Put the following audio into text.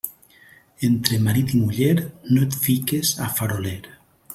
Entre marit i muller, no et fiques a faroler.